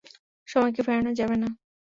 সময়কে ফেরানো যাবে না।